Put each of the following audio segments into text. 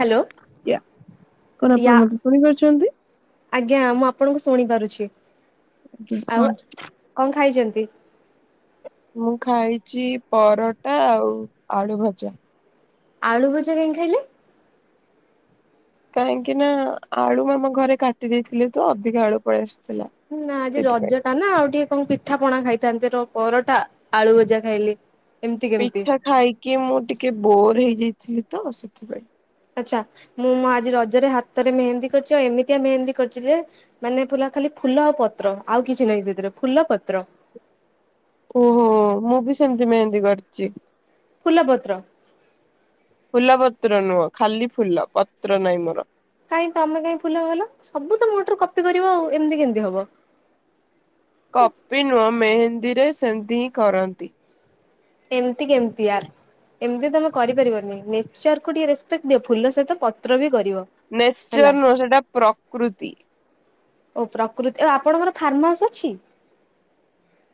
Hello ୟା କଣ ଆପଣ ୟା ମତେ ଶୁଣିପାରୁଛନ୍ତି? ଆଜ୍ଞା ମୁଁ ଆପଣଙ୍କୁ ଶୁଣି ପାରୁଛି। ଆଉ [unintelligible] କଣ ଖାଇଛନ୍ତି? ମୁଁ ଖାଇଛି ପରଟା ଆଉ ଆଳୁ ଭଜା। ଆଳୁ ଭଜା କାଇଁ ଖାଇଲେ? କାହିଁକି ନା ଆଳୁ ଆମ ଘରେ କାଟି ଦେଇଥିଲେ ତ ଅଧିକ ଆଳୁ ପାଳିଆସିଥିଲା। ନା ଆଜି ରଜ ଟା ନା ଆଉ ଟିକେ କଣ ପିଠାପଣା ଖାଇଥାନ୍ତେ ପରଟା ଆଳୁ ଭଜା ଖାଇଲେ। ପିଠା ଖାଇକି ମୁଁ ଟିକେ ବୋର୍ ହେଇଯାଇଥିଲି ତ ସେଥିପାଇଁ। ଆଚ୍ଛା ମୁଁଁ ମୁଁ ଆଜି ରଜରେ ହାତରେ ମେହେନ୍ଦୀ କରିଚି ଆଉ ଏମିତିଆ ମେହେନ୍ଦୀ କରିଚି ଯେ- ମାନେ ପୁଲ ଖାଲି ଫୁଲ ଆଉ ପତ୍ର ଆଉ କିଛି ନାହିଁ ସେଥିରେ ଫୁଲ ପତ୍ର। ଓହୋ ମୁଁ ବି ସେମିତି ମେହେନ୍ଦୀ କରିଚି। ଫୁଲପତ୍ର? ଫୁଲ ପତ୍ର ନୁହଁ ଖାଲି ଫୁଲ ପତ୍ର ନାଇଁ ମୋର। କାଇଁ ତମେ କାହିଁ ଫୁଲ କଲ ସବୁ ତ ମୋ ଥ୍ରୁ କପି କରିବ ଆଉ ଏମିତି କେମିତି ହବ। କପି ନୁହଁ ମେହେନ୍ଦୀରେ ସେମିତି ହିଁ କରନ୍ତି। ଏମିତି କେମିତି ୟାର୍? ଏମିତି ତମେ କରିପାରିବନି ନେଚର କୁ ଟିକେ ରେସପେକ୍ଟ ଦିଅ ଫୁଲ ସହିତ ପତ୍ର ବି କରିବ। ନେଚର ହେଲା ନୁହଁ ସେଟା ପ୍ରକୃତି। ଓ ପ୍ରକୃତି ଆଉ ଆପଣଙ୍କର ଫାର୍ମ ହାଉସ ଅଛି।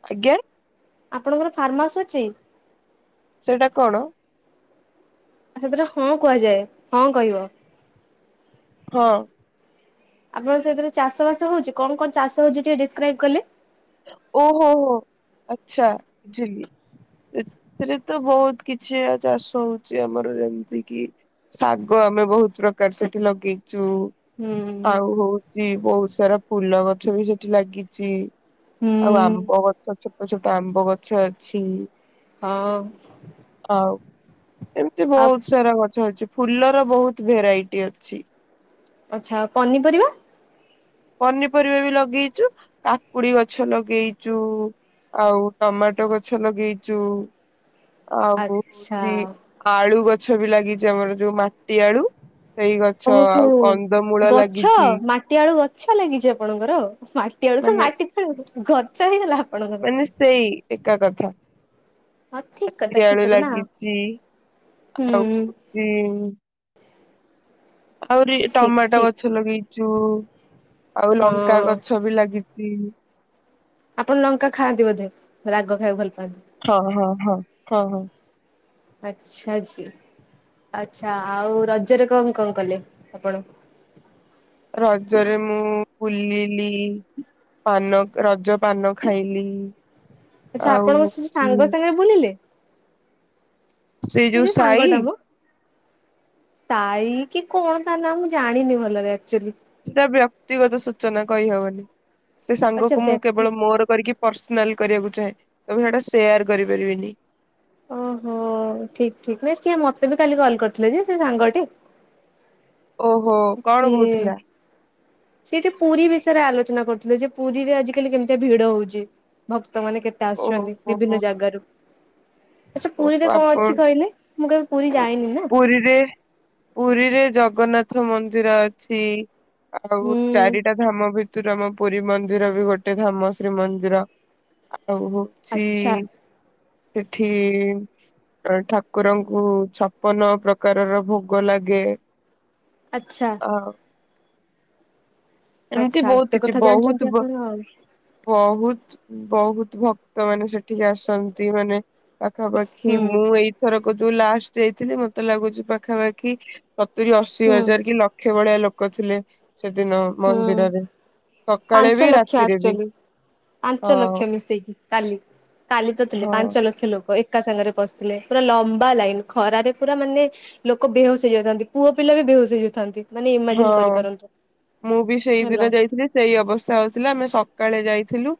ଆଜ୍ଞା? ଆପଣଙ୍କର ଫାର୍ମ ହାଉସ ଅଛି? ସେଇଟା କଣ? ସେଥିରେ ହଁ କୁହାଯାଏ ହଁ କହିବ। ହଁ। ଆପଣ ସେଥିରେ ଚାଷ ବାସ ହଉଛି କଣ କଣ ଚାଷ ହଉଛି ଟିକେ ଡିସକ୍ରାଇବ କଲେ। ଓ ହୋ ହୋ ଆଛା ବୁଝିଲି। ଏଥିରେ ତ ବହୁତ କିଛି ଚାଷ ହଉଛି ଆମର ଯେମିତି କିି ଶାଗ ଆମେ ବହୁତ ପ୍ରକାର ସେଠି ଲଗେଇଚୁ। ହୁଁ ଆଉ ହଉଚି ବହୁତ ସାରା ଫୁଲ ଗଛ ବି ସେଠି ଲାଗିଚି। ଆଉ ହୁଁ ଆମ୍ବ ଗଛ ଛୋଟ ଛୋଟ ଆମ୍ବ ଗଛ ଅଛି। ହଁ। ଆଉ ଏମିତି ଆଉ ବହୁତ ସାରା ଗଛ ଅଛି। ଫୁଲର ବହୁତ ଭେରାଇଟି ଅଛି। ଆଚ୍ଛା ପନିପରିବା? ପନିପରିବା ବି ଲଗେଇ ଚୁ କାକୁଡି ଗଛ ଲଗେଇ ଚୁ ଆଉ ଟମାଟୋ ଗଛ ଲଗେଇ ଚୁ ଆଉ ଆଚ୍ଛା ହଉଛି ଆଳୁ ଗଛ ବି ଲାଗିଛି ଆମର ଯୋଉ ମାଟି ଆଳୁ। ସେଇ ଗଛ ଓହୋ। ଆଉ କନ୍ଦମୂଳ ଗଛ ଲାଗିଛି। ମାଟି ଆଳୁ ଗଛ ଲାଗିଛି ଆପଣଙ୍କର? କେଳୁ ତ ମାନେ ମାଟି ତଳେ ଗଛ ହେଇଗଲା ମାନେ ସେଇ ଆପଣଙ୍କର। ଏକା କଥା। ହଁ ଠିକ୍ କଥା ଠିକ୍ ଆଳୁ କଥା ନା ଲାଗିଛି ହୁଁ। ଜେଏମ୍। ଆହୁରି ଠିକ ଟମାଟୋ ଠିକ ଗଛ ଲଗେଇଛୁ ଆଉ ଲଙ୍କା ହଁ ଗଛ ବି ଲାଗି ତିଇନି। ଆପଣ ଲଙ୍କା ଖାଆନ୍ତି ବୋଧେ ରାଗ ଖାଇବାକୁ ଭଲ ପାଆନ୍ତି। ହଁ ହଁ ହଁ ହଁ ହଁ। ଆଚ୍ଛା ଜି ଆଚ୍ଛା ଆଉ ରଜରେ କଅଁ କଅଁକଲେ ଆପଣ? ରଜରେ ମୁଁ ବୁଲିଲି ପାନ ରଜ ପାନ ଖାଇଲି ଆଛା ଆଉ ଆପଣ ମୋର ସେ ଯଉ ହଉଛି ସାଙ୍ଗ ସାଙ୍ଗରେ ବୁଲିଲେ ସେଇ ସେ ଯୋଉ ସାଇ ସାଙ୍ଗଟା ମଁ। ସାଇ କି କଣ ତା ନା ମୁଁ ଜାଣିନି ଭଲରେ ଆକଚୁଆଲି। ସେଇଟା ବ୍ୟକ୍ତିଗତ ସୂଚନା କହିହବନି ସେ ଆଚ୍ଛା ସାଙ୍ଗକୁ ମୁଁ ବ୍ୟକ୍ତି କେବଳ ମୋର କରିକି ପର୍ସନାଲି କରିବାକୁ ଚାହେଁ ତ ସେଟା ସେୟାର କରିପାରିବନି। ଓହୋ ଠିଙ୍କ୍‌ ଠିକ୍ ନାଇ ସିଏ ମତେ ବି କାଲି କଲ୍ କରିଥିଲେ ଯେ ସେ ସାଙ୍ଗ ଟି। ଓହୋ କଣ ସିଏ। କହୁଥିଲା? ସେଟି ପୁରୀ ବିଷୟରେ ଆଲୋଚନା କରୁଥିଲେ ଯେ ପୁରୀରେ ଆଜିିକାଲି କେମିତିଆ ଭିଡ ହଉଛି। ଭକ୍ତ ମାନେ କେତେ ଓହୋ ଆସୁଛନ୍ତି ହୋ ବିଭିନ୍ନ ଜାଗାରୁ ଆଚ୍ଛା ଓହୋ ପୁରୀରେ କଅଁ ଆପଣ ଅଛି କହିଲେ ମୁଁ କେବେ ପୁରୀ ଯାଇନି ନା? ପୁରୀରେ ପୁରୀରେ ଜଗନ୍ନାଥ ମନ୍ଦିର ଅଛି ଆଉ ହୁଁ ଚାରିଟା ଧାମ ଭିତରୁ ଆମ ପୁରୀ ମନ୍ଦିର ବି ଗୋଟେ ଧାମ ଶ୍ରୀ ମନ୍ଦିର ଆଉ ହଉଛି ଆଚ୍ଛା। ଏଠି ଟି ଠାକୁରଙ୍କୁ ଛପନ ପ୍ରକାରର ଭୋଗ ଲାଗେ ଆଚ୍ଛା। ହଉ ଏମିତି ଆଚ୍ଛା ବହୁତ ଏତେ କିଛି କଥା ଜାଣିଛନ୍ତି ବହୁତ ବ ଆପଣ ଆଉ ବହୁତ ବହୁତ ଭକ୍ତ ମାନେ ସେଠିକି ଆସନ୍ତି ମାନେ ପାଖାପାଖି ହୁଁ ମୁଁ ଏଇଥରକ ଯୋଉ ଲାଷ୍ଟ ଯାଇଥିଲି ମତେ ଲାଗୁଛି ପାଖାପାଖି ସତୁରି ଅଶୀ ହୁଁ। ହଜାର କି ଲକ୍ଷେ ଭଳିଆ ଲୋକ ଥିଲେ ସେଦିନ ହୁଁ ମନ୍ଦିରରେ ସକାଳେ ପାଞ୍ଚ ବି ଲକ୍ଷ ରାତିରେ ବି। ଆକ୍ଚୁଆଲି ପାଞ୍ଚ ହଁ ଲକ୍ଷ ମିଶେଇକି କାଲି କାଲି ତ ଥିଲେ ହଁ ପାଞ୍ଚ ଲକ୍ଷ ଲୋକ ଏକା ସାଙ୍ଗରେ ପଶିଥିଲେ ପୁରା ଲମ୍ବା ଲାଇନ ଖରାରେ ପୁରା ମାନେ ଲୋକ ବେହୋସ ହେଇଯାଉଥାନ୍ତି ପୁଅ ପିଲା ବି ବେହୋସ ହେଇଯାଉଥାନ୍ତି ମାନେ ଇମାଜିନ ହଁ। କରିପାରନି। ମୁଁ ବି ସେଇଦିନ ଯାଇଥିଲି ସେଇ ଅବସ୍ଥା ହଉଥିଲା ଆମେ ସକାଳେ ଯାଇଥିଲୁ।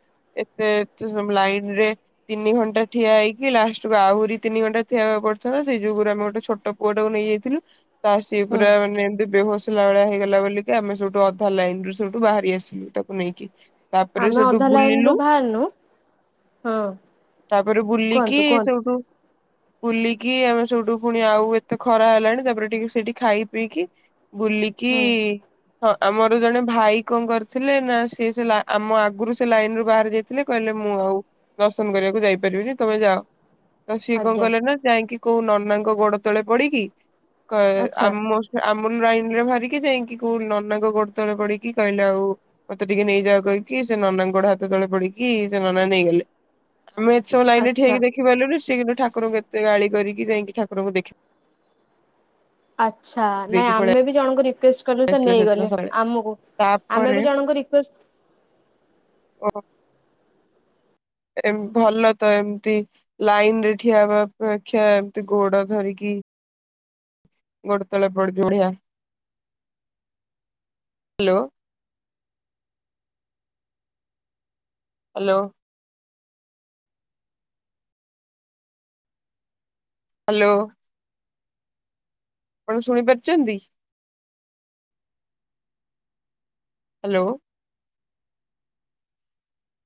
ଏତେ [inaudible] ସବୁ ଲାଇନରେ। ତିନି ଘଣ୍ଟା ଠିଆ ହେଇକି ଲାଷ୍ଟକୁ ଆହୁରି ତିନି ଘଣ୍ଟା ଠିଆ ହବାକୁ ପଡିଥାନ୍ତା ସେ ଯୋଗରୁ ଆମେ ଗୋଟେ ଛୋଟ। ପୁଅଟାକୁ ନେଇଯାଇଥିଲୁ ତା ସିଏ ହୁଁ ପୁରା ମାନେ ଏମିତି ବେହୋସ। ହେଲା ଭଳିଆ ହେଇଗଲା ବୋଲିକା ଆମେ ସେଠୁ ଅଧା ଲାଇନ ରୁ ସେଠୁ ବାହାରି ଆସିଲୁ ତାକୁ ନେଇକି। ତାପରେ ଆମେ ସେଠୁ ଅଧା ଲାଇନ ରୁ ବୁଲିଲୁ। ବାହାରିନୁ ହଁ ତାପରେ ବୁଲିକି କୁହନ୍ତୁ କୁହନ୍ତୁ ସେଉଠୁ ବୁଲିକି ଆମେ ସବଠୁ ପୁଣି ଆଉ ଏତେ ଖରା ହେଲାଣି ତାପରେ ଟିକେ ସେଇଠି ଖାଇ ପିଇକି ବୁଲିକି। ହୁଁ ହଁ ଆମର ଜଣେ ଭାଇ କଣ କରିଥିଲେ ନା ସିଏ ସେ ଆମ ଆଗରୁ ସେ ଲାଇନ ରୁ ବାହାରି ଯାଇ ଥିଲେ କହିଲେ ମୁଁ ଆଉ ଦର୍ଶନ କରିବାକୁ ଯାଇପାରିବିନି ତମେ ଯାଅ। ତ ସିଏ କଣ ଆଜ୍ଞା କଲେନା ଯାଇକି କୋଉ ନନାଙ୍କ ଗୋଡ ତଳେ ପଡିକି। କଏ ଆଚ୍ଛା ଆମ ଆମ [unintelligible] ଲାଇନ ରେ ବାହାରିକି ଯାଇକି କୋଉ ନନାଙ୍କ ଗୋଡ ତଳେ ପିଡିକି କହିଲେ ଆଉ ମତେ ଟିକେ ନେଇଯାଅ କହିକି ସେ ନନାଙ୍କ ଗୋଡେ ହାତ ତଳେ ପଡିକି ସେ ନନା ନେଇଗଲେ। ଆମେ ଏ ସବୁ ଲାଇନ ଆଚ୍ଛା ଠିଆହେଇକି ଦେଖିପାରିଲୁନି ସେ କିନ୍ତୁ ଠାକୁରଙ୍କୁ ଏତେ ଗାଳି କରିକି ଯାଇକି ଠାକୁରଙ୍କୁ ଦେଖି ଆଚ୍ଛା ନାଇଁ ଦେଇକି ପଳେଇ ଆମେବି ଜଣଙ୍କୁ ରିକ୍ୱଷ୍ଟେ କଲୁ ସେ ଆସିଲେ ସେଦିନ ନେଇଗଲେ ସକାଳେ ଆମକୁ। ଆମେ ତାପରେ ବି ଜଣଙ୍କୁ ରିକ୍ଵଷ୍ଟେ ଓ ଏମ୍ ଭଲ ତ ଏମତି ଲାଇନରେ ଠିଆ ହବା ଅପେକ୍ଷା ଏମତି ଗୋଡ ଧରିକି। ଗୋଟେ ତଳେ ପଡିଛି ବଢିଆ ହାଲୋ। ହାଲୋ। ହାଲୋ। ଆପଣ ଶୁଣିପାରୁଚନ୍ତି। ହାଲୋ।